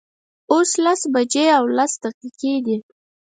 اوس لس بجې او لس دقیقې دي